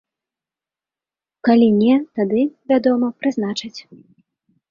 Калі не, тады, вядома, прызначаць.